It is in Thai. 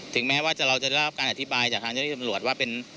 แม้ว่าเราจะได้รับการอธิบายจากทางเจ้าที่จำรวจว่าเป็น